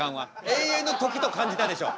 永遠の時と感じたでしょ。